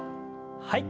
はい。